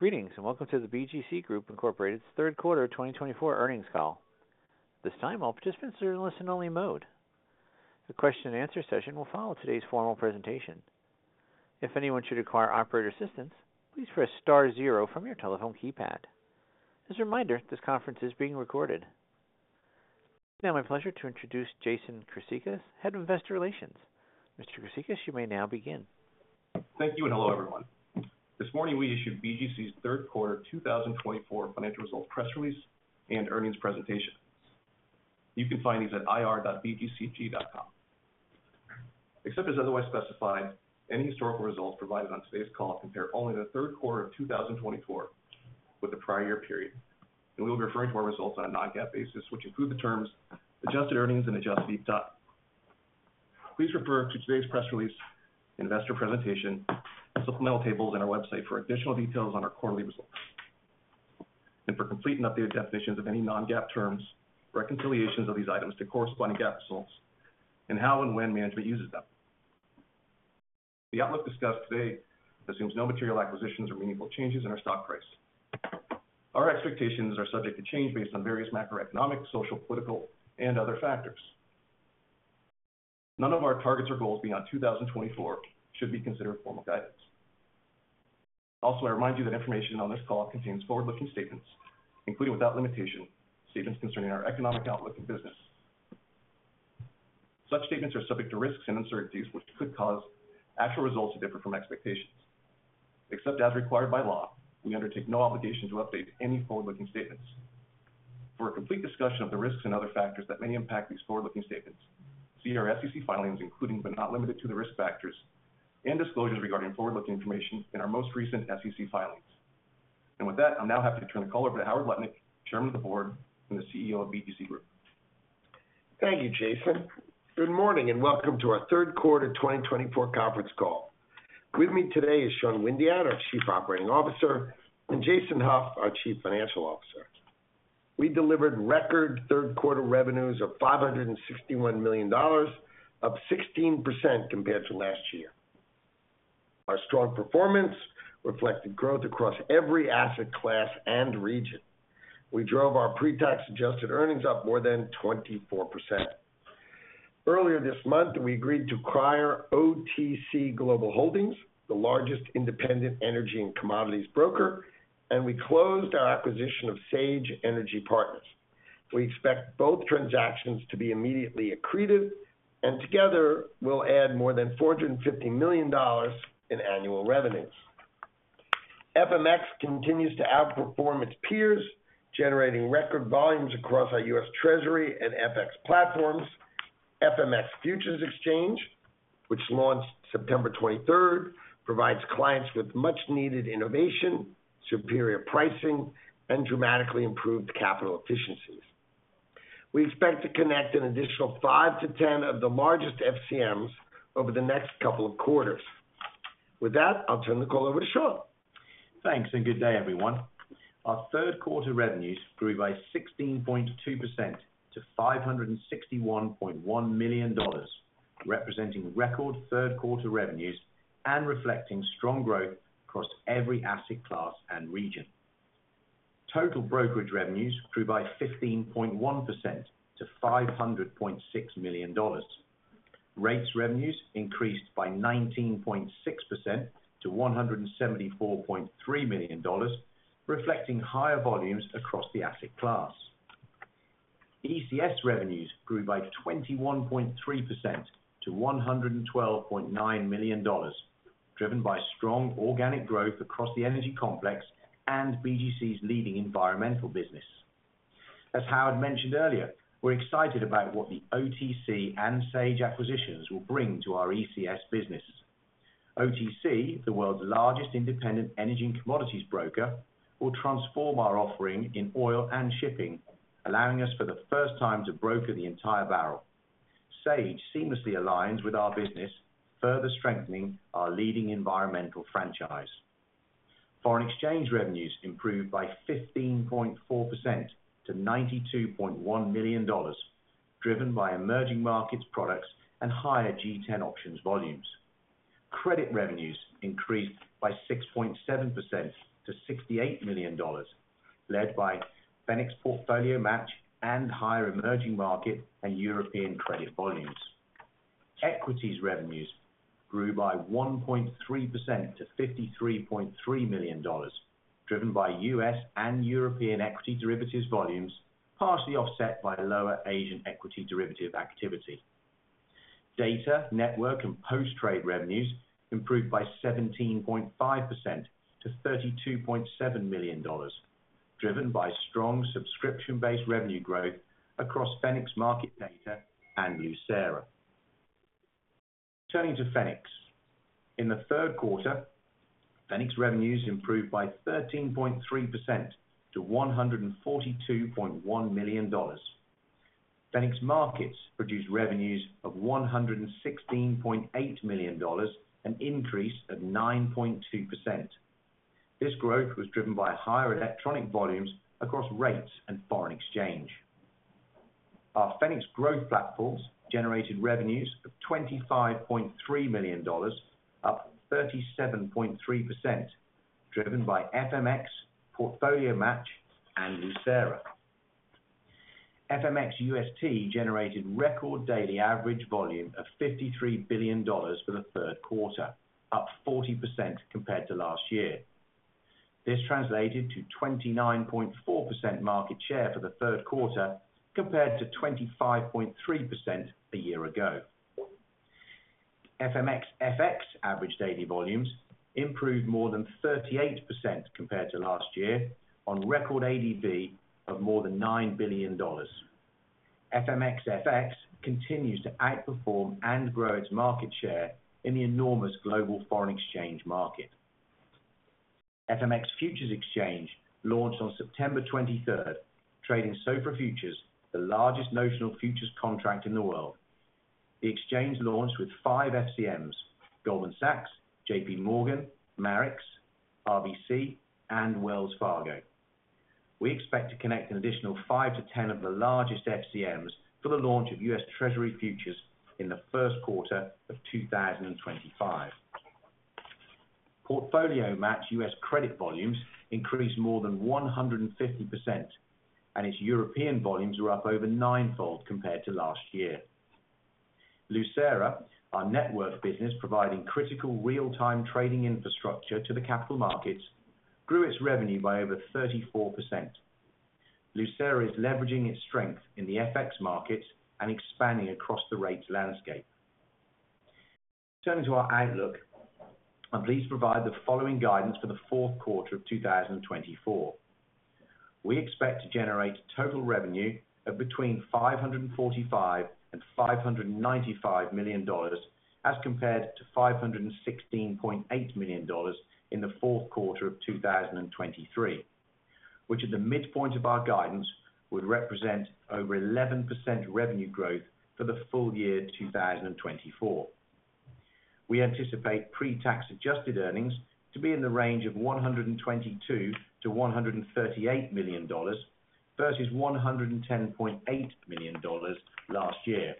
Greetings and welcome to the BGC Group Incorporated's third quarter 2024 earnings call. At this time all participants are in listen-only mode. The question-and-answer session will follow today's formal presentation. If anyone should require operator assistance, please press star zero from your telephone keypad. As a reminder, this conference is being recorded. It is now my pleasure to introduce Jason Chryssicas, Head of Investor Relations. Mr. Chryssicas, you may now begin. Thank you and hello everyone. This morning we issued BGC's third quarter 2024 financial results press release and earnings presentation. You can find these at ir.bgcg.com. Except as otherwise specified, any historical results provided on today's call compare only the third quarter of 2024 with the prior year period, and we will be referring to our results on a non-GAAP basis, which include the terms adjusted earnings and adjusted EBITDA. Please refer to today's press release, investor presentation, and supplemental tables on our website for additional details on our quarterly results and for complete and updated definitions of any non-GAAP terms, reconciliations of these items to corresponding GAAP results, and how and when management uses them. The outlook discussed today assumes no material acquisitions or meaningful changes in our stock price. Our expectations are subject to change based on various macroeconomic, social, political, and other factors. None of our targets or goals beyond 2024 should be considered formal guidance. Also, I remind you that information on this call contains forward-looking statements, including without limitation, statements concerning our economic outlook and business. Such statements are subject to risks and uncertainties which could cause actual results to differ from expectations. Except as required by law, we undertake no obligation to update any forward-looking statements. For a complete discussion of the risks and other factors that may impact these forward-looking statements, see our SEC filings, including but not limited to the risk factors and disclosures regarding forward-looking information in our most recent SEC filings, and with that, I'm now happy to turn the call over to Howard Lutnick, Chairman of the Board and the CEO of BGC Group. Thank you, Jason. Good morning and welcome to our third quarter 2024 conference call. With me today is Sean Windeatt, our Chief Operating Officer, and Jason Hauf, our Chief Financial Officer. We delivered record third quarter revenues of $561 million, up 16% compared to last year. Our strong performance reflected growth across every asset class and region. We drove our pre-tax adjusted earnings up more than 24%. Earlier this month, we agreed to acquire OTC Global Holdings, the largest independent energy and commodities broker, and we closed our acquisition of Sage Energy Partners. We expect both transactions to be immediately accretive, and together we'll add more than $450 million in annual revenues. FMX continues to outperform its peers, generating record volumes across our U.S. Treasury and FX platforms. FMX Futures Exchange, which launched September 23rd, provides clients with much-needed innovation, superior pricing, and dramatically improved capital efficiencies. We expect to connect an additional 5-10 of the largest FCMs over the next couple of quarters. With that, I'll turn the call over to Sean. Thanks and good day, everyone. Our third quarter revenues grew by 16.2% to $561.1 million, representing record third quarter revenues and reflecting strong growth across every asset class and region. Total brokerage revenues grew by 15.1% to $500.6 million. Rates revenues increased by 19.6% to $174.3 million, reflecting higher volumes across the asset class. ECS revenues grew by 21.3% to $112.9 million, driven by strong organic growth across the energy complex and BGC's leading environmental business. As Howard mentioned earlier, we're excited about what the OTC and Sage acquisitions will bring to our ECS business. OTC, the world's largest independent energy and commodities broker, will transform our offering in oil and shipping, allowing us for the first time to broker the entire barrel. Sage seamlessly aligns with our business, further strengthening our leading environmental franchise. Foreign exchange revenues improved by 15.4% to $92.1 million, driven by emerging markets products and higher G10 options volumes. Credit revenues increased by 6.7% to $68 million, led by Fenics Portfolio Match and higher emerging market and European credit volumes. Equities revenues grew by 1.3% to $53.3 million, driven by U.S. and European equity derivatives volumes, partially offset by lower Asian equity derivative activity. Data, network, and post-trade revenues improved by 17.5% to $32.7 million, driven by strong subscription-based revenue growth across Fenics Market Data and Lucera. Turning to Fenics, in the third quarter, Fenics revenues improved by 13.3% to $142.1 million. Fenics Markets produced revenues of $116.8 million, an increase of 9.2%. This growth was driven by higher electronic volumes across rates and foreign exchange. Our Fenics Growth Platforms generated revenues of $25.3 million, up 37.3%, driven by FMX Portfolio Match and Lucera. FMX UST generated record daily average volume of $53 billion for the third quarter, up 40% compared to last year. This translated to 29.4% market share for the third quarter compared to 25.3% a year ago. FMX FX average daily volumes improved more than 38% compared to last year on record ADV of more than $9 billion. FMX FX continues to outperform and grow its market share in the enormous global foreign exchange market. FMX Futures Exchange launched on September 23rd, trading SOFR futures, the largest notional futures contract in the world. The exchange launched with five FCMs: Goldman Sachs, JPMorgan, Marex, RBC, and Wells Fargo. We expect to connect an additional 5-10 of the largest FCMs for the launch of U.S. Treasury futures in the first quarter of 2025. Portfolio match U.S. credit volumes increased more than 150%, and its European volumes were up over ninefold compared to last year. Lucera, our net worth business providing critical real-time trading infrastructure to the capital markets, grew its revenue by over 34%. Lucera is leveraging its strength in the FX markets and expanding across the rates landscape. Turning to our outlook, I'm pleased to provide the following guidance for the fourth quarter of 2024. We expect to generate total revenue of between $545-$595 million as compared to $516.8 million in the fourth quarter of 2023, which at the midpoint of our guidance would represent over 11% revenue growth for the full year 2024. We anticipate pre-tax adjusted earnings to be in the range of $122-$138 million versus $110.8 million last year,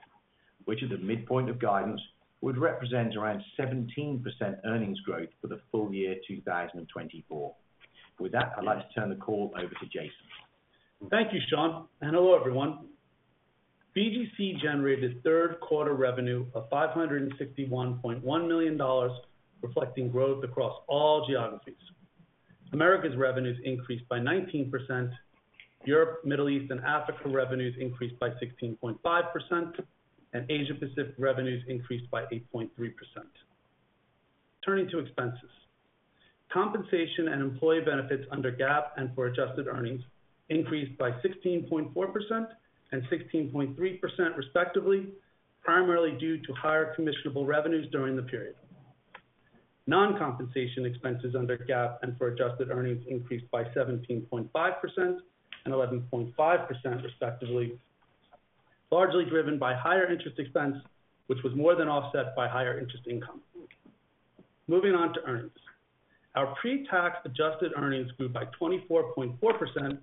which at the midpoint of guidance would represent around 17% earnings growth for the full year 2024. With that, I'd like to turn the call over to Jason. Thank you, Sean, and hello everyone. BGC generated third quarter revenue of $561.1 million, reflecting growth across all geographies. Americas revenues increased by 19%, Europe, Middle East, and Africa revenues increased by 16.5%, and Asia-Pacific revenues increased by 8.3%. Turning to expenses, compensation and employee benefits under GAAP and for adjusted earnings increased by 16.4% and 16.3% respectively, primarily due to higher commissionable revenues during the period. Non-compensation expenses under GAAP and for adjusted earnings increased by 17.5% and 11.5% respectively, largely driven by higher interest expense, which was more than offset by higher interest income. Moving on to earnings, our pre-tax adjusted earnings grew by 24.4%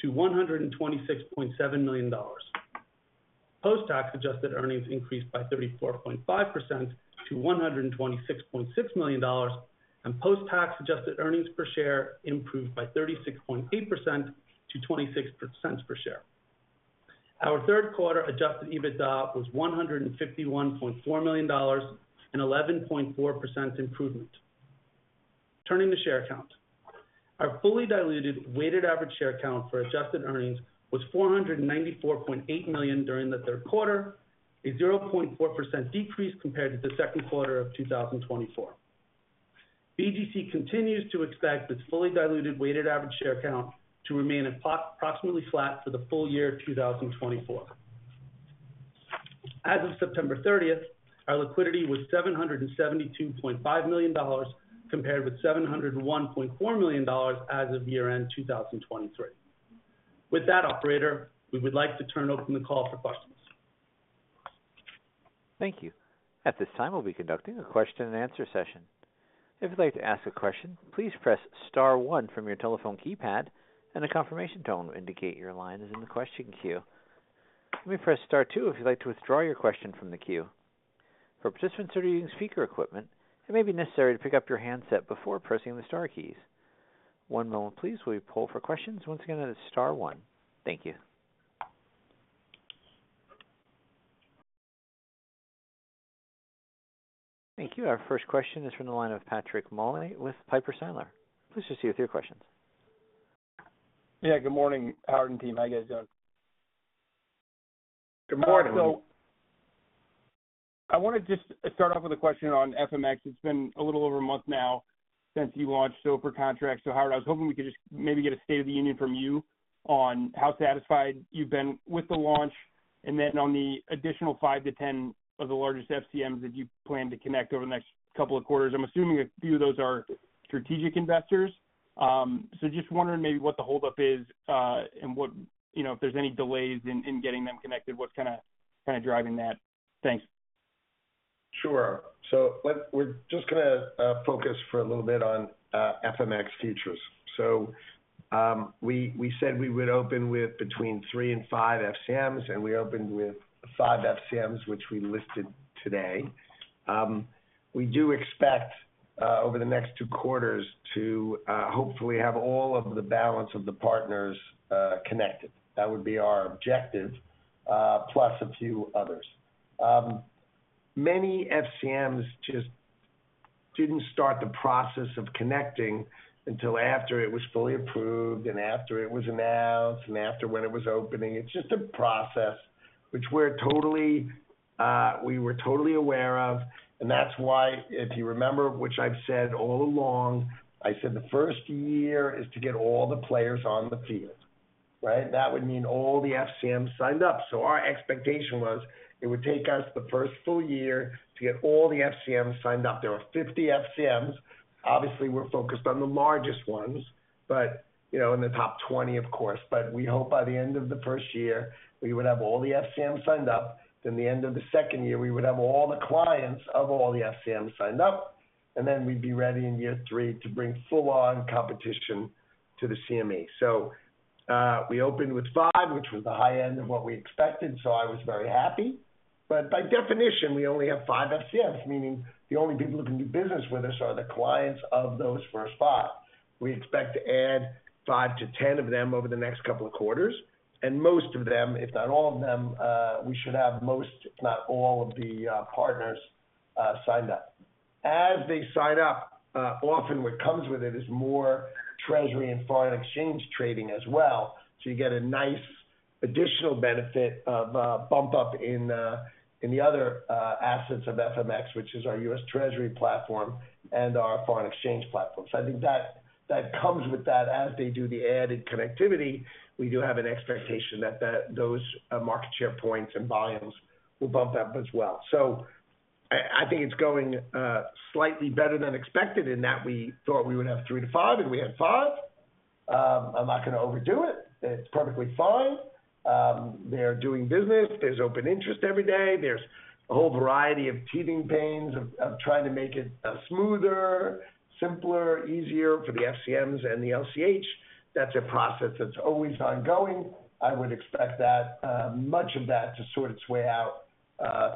to $126.7 million. Post-tax adjusted earnings increased by 34.5% to $126.6 million, and post-tax adjusted earnings per share improved by 36.8% to 26 cents per share. Our third quarter adjusted EBITDA was $151.4 million and an 11.4% improvement. Turning to share count, our fully diluted weighted average share count for adjusted earnings was $494.8 million during the third quarter, a 0.4% decrease compared to the second quarter of 2024. BGC continues to expect its fully diluted weighted average share count to remain approximately flat for the full year 2024. As of September 30th, our liquidity was $772.5 million compared with $701.4 million as of year-end 2023. With that, Operator, we would like to open the call for questions. Thank you. At this time, we'll be conducting a question-and-answer session. If you'd like to ask a question, please press Star one from your telephone keypad, and a confirmation tone will indicate your line is in the question queue. Let me press Star two if you'd like to withdraw your question from the queue. For participants who are using speaker equipment, it may be necessary to pick up your handset before pressing the Star keys. One moment, please, while we pull for questions. Once again, that is Star one. Thank you. Thank you. Our first question is from the line of Patrick Moley with Piper Sandler. Please proceed with your questions. Yeah, good morning, Howard and team. How you guys doing? Good morning. Howard? So I want to just start off with a question on FMX. It's been a little over a month now since you launched SOFR contracts. So, Howard, I was hoping we could just maybe get a state of the union from you on how satisfied you've been with the launch and then on the additional 5 to 10 of the largest FCMs that you plan to connect over the next couple of quarters. I'm assuming a few of those are strategic investors. So just wondering maybe what the holdup is and if there's any delays in getting them connected, what's kind of driving that. Thanks. Sure, so we're just going to focus for a little bit on FMX futures, so we said we would open with between three and five FCMs, and we opened with five FCMs, which we listed today. We do expect over the next two quarters to hopefully have all of the balance of the partners connected. That would be our objective, plus a few others. Many FCMs just didn't start the process of connecting until after it was fully approved and after it was announced and after when it was opening. It's just a process which we were totally aware of, and that's why, if you remember, which I've said all along, I said the first year is to get all the players on the field. Right? That would mean all the FCMs signed up. Our expectation was it would take us the first full year to get all the FCMs signed up. There were 50 FCMs. Obviously, we're focused on the largest ones, but in the top 20, of course. But we hope by the end of the first year, we would have all the FCMs signed up. Then the end of the second year, we would have all the clients of all the FCMs signed up, and then we'd be ready in year three to bring full-on competition to the CME. We opened with five, which was the high end of what we expected. So I was very happy. But by definition, we only have five FCMs, meaning the only people who can do business with us are the clients of those first five. We expect to add five to 10 of them over the next couple of quarters. Most of them, if not all of them, we should have most, if not all of the partners signed up. As they sign up, often what comes with it is more Treasury and foreign exchange trading as well. So you get a nice additional benefit of a bump up in the other assets of FMX, which is our U.S. Treasury platform and our foreign exchange platform. So I think that comes with that. As they do the added connectivity, we do have an expectation that those market share points and volumes will bump up as well. So I think it's going slightly better than expected in that we thought we would have three to five, and we had five. I'm not going to overdo it. It's perfectly fine. They're doing business. There's open interest every day. There's a whole variety of teething pains of trying to make it smoother, simpler, easier for the FCMs and the LCH. That's a process that's always ongoing. I would expect much of that to sort its way out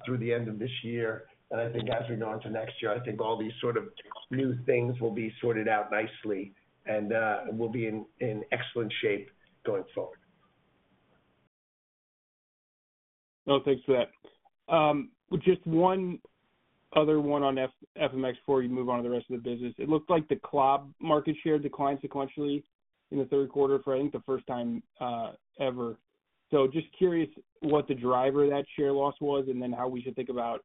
through the end of this year, and I think as we go into next year, I think all these sort of new things will be sorted out nicely and will be in excellent shape going forward. Oh, thanks for that. Just one other one on FMX before we move on to the rest of the business. It looked like the CLOB market share declined sequentially in the third quarter for, I think, the first time ever. So just curious what the driver of that share loss was and then how we should think about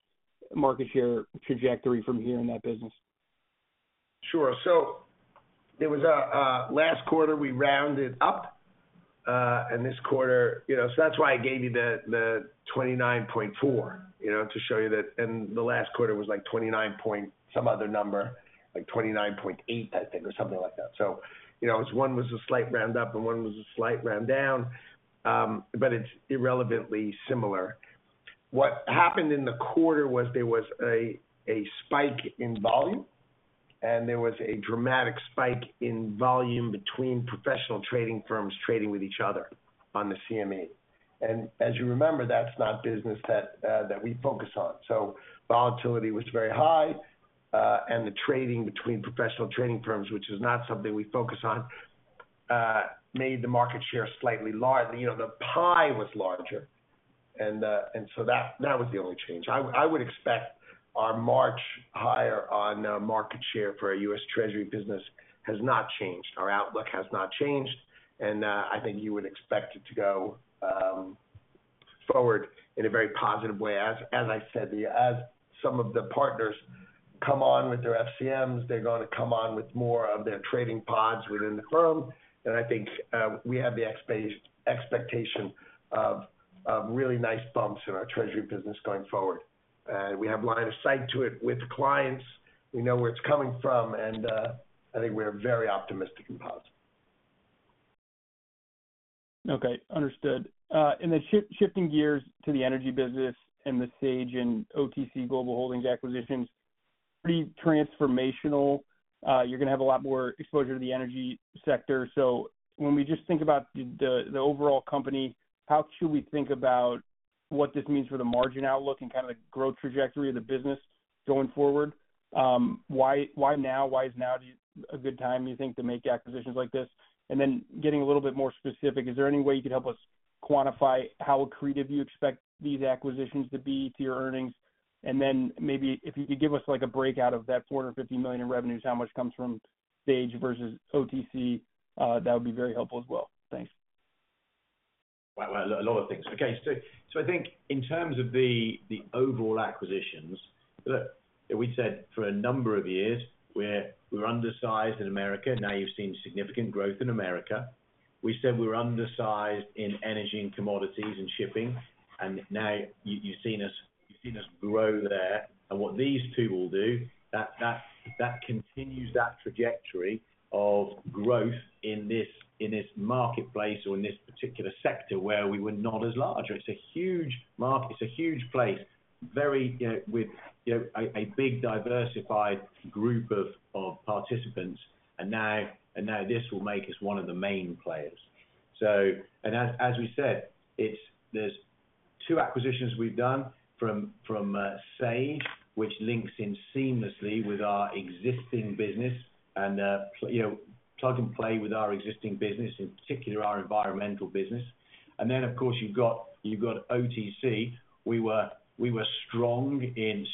market share trajectory from here in that business. Sure. So last quarter, we rounded up, and this quarter so that's why I gave you the 29.4 to show you that. And the last quarter was like 29 point some other number, like 29.8, I think, or something like that. So one was a slight round up and one was a slight round down, but it's irrelevantly similar. What happened in the quarter was there was a spike in volume, and there was a dramatic spike in volume between professional trading firms trading with each other on the CME. And as you remember, that's not business that we focus on. So volatility was very high, and the trading between professional trading firms, which is not something we focus on, made the market share slightly larger. The pie was larger. And so that was the only change. I would expect our March higher on market share for our U.S. Treasury business has not changed. Our outlook has not changed, and I think you would expect it to go forward in a very positive way. As I said, as some of the partners come on with their FCMs, they're going to come on with more of their trading pods within the firm. And I think we have the expectation of really nice bumps in our Treasury business going forward. And we have line of sight to it with clients. We know where it's coming from, and I think we're very optimistic and positive. Okay. Understood. And then shifting gears to the energy business and the Sage and OTC Global Holdings acquisitions, pretty transformational. You're going to have a lot more exposure to the energy sector. So when we just think about the overall company, how should we think about what this means for the margin outlook and kind of the growth trajectory of the business going forward? Why now? Why is now a good time, you think, to make acquisitions like this? And then getting a little bit more specific, is there any way you could help us quantify how accretive you expect these acquisitions to be to your earnings? And then maybe if you could give us a breakout of that $450 million in revenues, how much comes from Sage versus OTC, that would be very helpful as well. Thanks. Well, a lot of things. Okay. So I think in terms of the overall acquisitions, look, we said for a number of years, we were undersized in America. Now you've seen significant growth in America. We said we were undersized in energy and commodities and shipping, and now you've seen us grow there. And what these two will do, that continues that trajectory of growth in this marketplace or in this particular sector where we were not as large. It's a huge market. It's a huge place, very with a big diversified group of participants. And now this will make us one of the main players. And as we said, there's two acquisitions we've done from Sage, which links in seamlessly with our existing business and plug and play with our existing business, in particular our environmental business. And then, of course, you've got OTC. We were strong,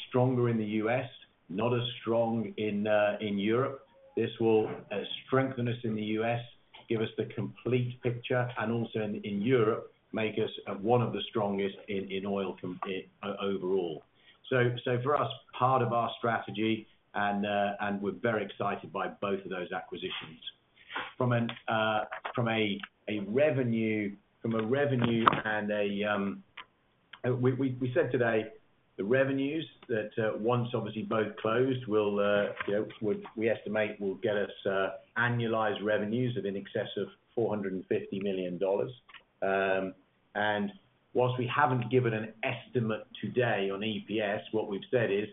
stronger in the U.S., not as strong in Europe. This will strengthen us in the U.S., give us the complete picture, and also in Europe, make us one of the strongest in oil overall. For us, part of our strategy, and we're very excited by both of those acquisitions. From a revenue, and as we said today, the revenues that, once obviously both closed, we estimate will get us annualized revenues of in excess of $450 million. While we haven't given an estimate today on EPS, what we've said is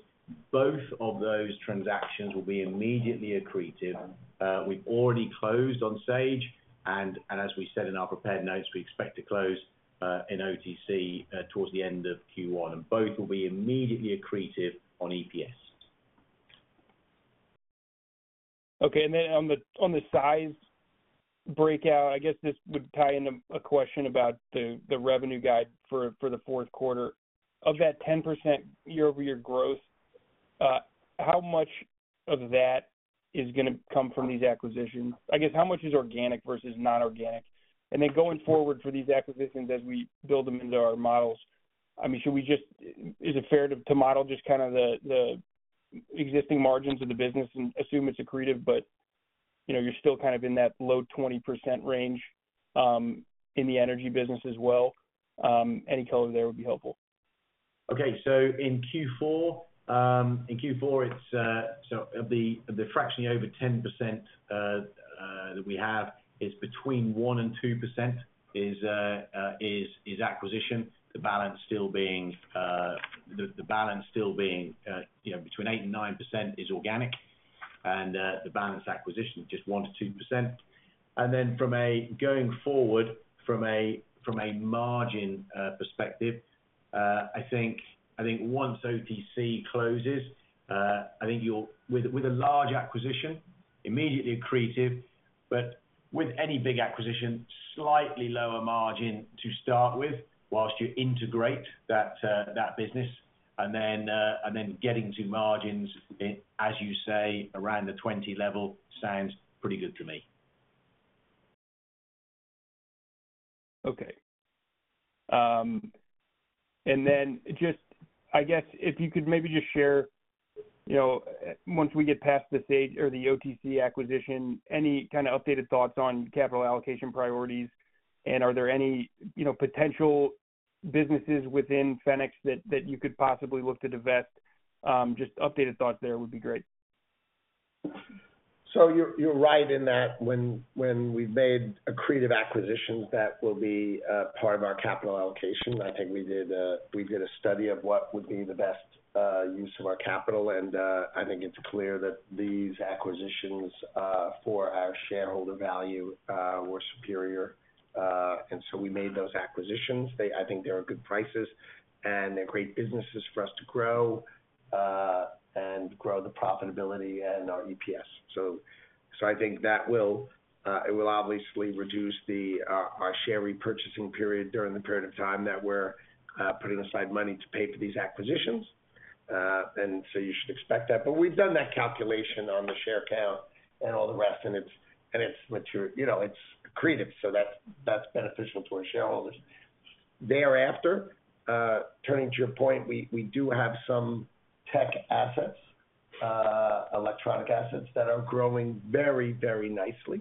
both of those transactions will be immediately accretive. We've already closed on Sage, and as we said in our prepared notes, we expect to close on OTC towards the end of Q1. Both will be immediately accretive on EPS. Okay. And then on the size breakout, I guess this would tie into a question about the revenue guide for the fourth quarter. Of that 10% year-over-year growth, how much of that is going to come from these acquisitions? I guess how much is organic versus non-organic? And then going forward for these acquisitions as we build them into our models, I mean, should we just is it fair to model just kind of the existing margins of the business and assume it's accretive, but you're still kind of in that low 20% range in the energy business as well? Any color there would be helpful. Okay. So in Q4, the fractionally over 10% that we have is between 1%-2% acquisition. The balance still being between 8% and 9% is organic, and the balance acquisition is just 1%-2%. And then going forward from a margin perspective, I think once OTC closes, I think with a large acquisition, immediately accretive, but with any big acquisition, slightly lower margin to start with while you integrate that business. And then getting to margins, as you say, around the 20% level sounds pretty good to me. Okay. And then just, I guess, if you could maybe just share, once we get past the Sage or the OTC acquisition, any kind of updated thoughts on capital allocation priorities, and are there any potential businesses within Fenics that you could possibly look to divest? Just updated thoughts there would be great. So you're right in that when we've made accretive acquisitions, that will be part of our capital allocation. I think we did a study of what would be the best use of our capital, and I think it's clear that these acquisitions for our shareholder value were superior. And so we made those acquisitions. I think they're at good prices, and they're great businesses for us to grow and grow the profitability and our EPS. So I think that will obviously reduce our share repurchasing period during the period of time that we're putting aside money to pay for these acquisitions. And so you should expect that. But we've done that calculation on the share count and all the rest, and it's accretive. So that's beneficial to our shareholders. Thereafter, turning to your point, we do have some tech assets, electronic assets that are growing very, very nicely,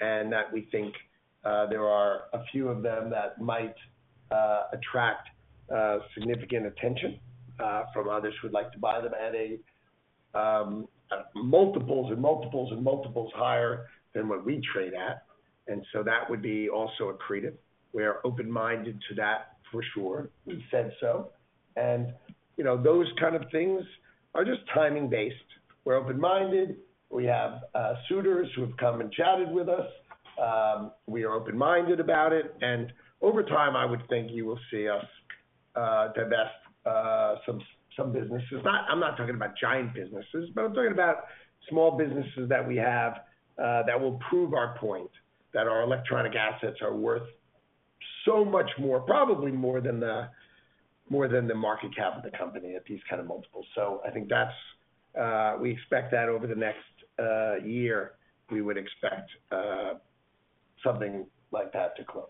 and that we think there are a few of them that might attract significant attention from others who would like to buy them at multiples and multiples and multiples higher than what we trade at. And so that would be also accretive. We are open-minded to that, for sure. We've said so. And those kind of things are just timing-based. We're open-minded. We have suitors who have come and chatted with us. We are open-minded about it. And over time, I would think you will see us divest some businesses. I'm not talking about giant businesses, but I'm talking about small businesses that we have that will prove our point that our electronic assets are worth so much more, probably more than the market cap of the company at these kind of multiples. So I think we expect that over the next year, we would expect something like that to close.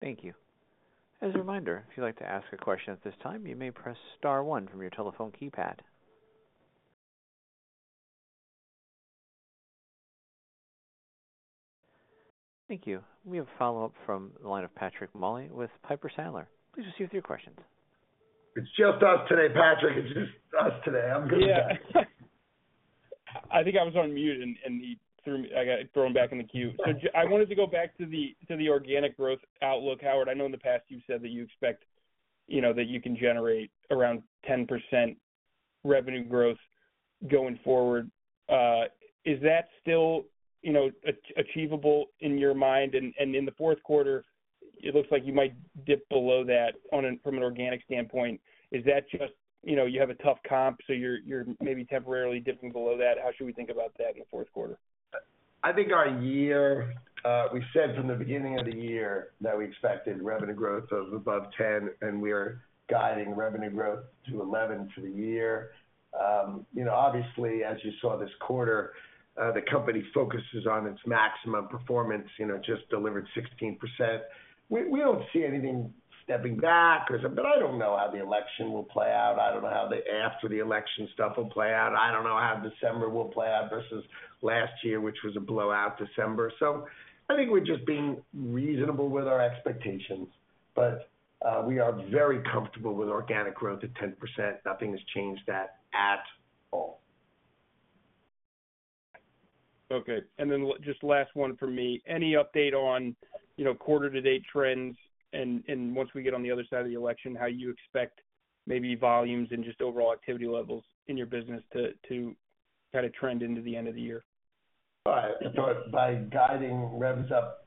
Thank you. As a reminder, if you'd like to ask a question at this time, you may press star one from your telephone keypad. Thank you. We have a follow-up from the line of Patrick Moley with Piper Sandler. Please proceed with your questions. It's just us today, Patrick. It's just us today. I'm good. Yeah. I think I was on mute, and I got thrown back in the queue. So I wanted to go back to the organic growth outlook. Howard, I know in the past you've said that you expect that you can generate around 10% revenue growth going forward. Is that still achievable in your mind? And in the fourth quarter, it looks like you might dip below that from an organic standpoint. Is that just you have a tough comp, so you're maybe temporarily dipping below that? How should we think about that in the fourth quarter? I think our year, we said from the beginning of the year that we expected revenue growth of above 10%, and we are guiding revenue growth to 11% for the year. Obviously, as you saw this quarter, the company focuses on its maximum performance, just delivered 16%. We don't see anything stepping back or something, but I don't know how the election will play out. I don't know how the after-the-election stuff will play out. I don't know how December will play out versus last year, which was a blowout December. So I think we're just being reasonable with our expectations, but we are very comfortable with organic growth at 10%. Nothing has changed that at all. Okay. And then just last one for me. Any update on quarter-to-date trends? And once we get on the other side of the election, how you expect maybe volumes and just overall activity levels in your business to kind of trend into the end of the year? By guiding revenues up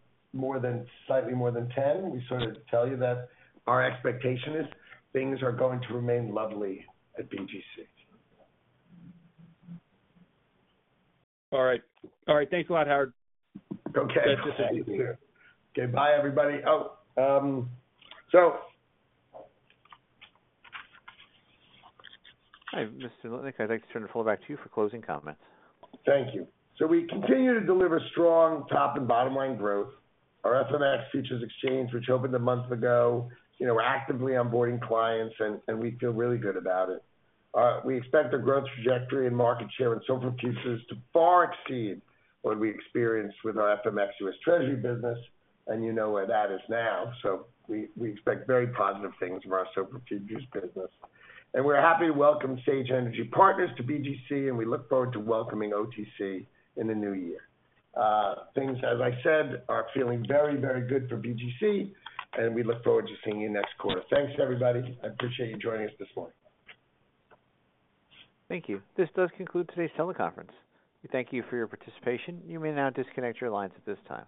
slightly more than 10, we sort of tell you that our expectation is things are going to remain lovely at BGC. All right. All right. Thanks a lot, Howard. Okay. Thank you. Okay. Bye, everybody. Oh, so. Hi, Mr. Lutnick. I'd like to turn the floor back to you for closing comments. Thank you. So we continue to deliver strong top and bottom-line growth. Our FMX futures exchange, which opened a month ago, we're actively onboarding clients, and we feel really good about it. We expect the growth trajectory and market share in SOFR futures to far exceed what we experienced with our FMX U.S. Treasury business, and you know where that is now. So we expect very positive things from our SOFR futures business. And we're happy to welcome Sage Energy Partners to BGC, and we look forward to welcoming OTC in the new year. Things, as I said, are feeling very, very good for BGC, and we look forward to seeing you next quarter. Thanks, everybody. I appreciate you joining us this morning. Thank you. This does conclude today's teleconference. We thank you for your participation. You may now disconnect your lines at this time.